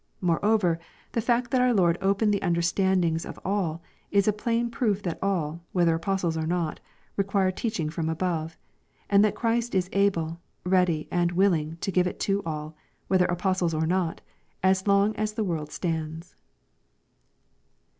— Moreover, the fact that our Lord opened the understandings of all, is a plain proof that all, whether apostles or not, require teaching from above, and that Christ is able, ready, and willing to give it to all, whether apostles or not, as long as the world stands.